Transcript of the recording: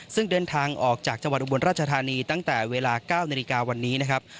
ซึ่งเดินทางออกจากจังหวัดอุบลราชธานีตั้งแต่เวลา๙นาฬิกาวันนี้นะครับ